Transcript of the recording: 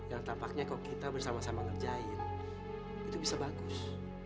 yang tampaknya kok kita bersama sama ngerjain itu bisa bagus